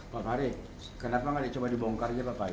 pak fahri kenapa nggak dicoba dibongkarin pak fahri